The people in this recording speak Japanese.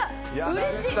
うれしい！